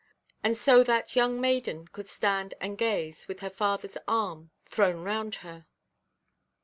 And so that young maiden could stand and gaze, with her fatherʼs arm thrown round her.